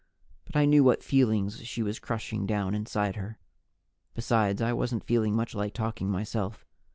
But I knew what feelings she was crushing down inside her. Besides, I wasn't feeling much like talking myself.